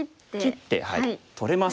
切って取れます。